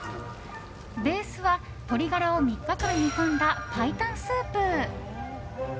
ベースは鶏ガラを３日間煮込んだ白湯スープ。